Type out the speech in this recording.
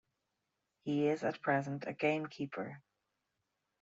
He is at present a gamekeeper.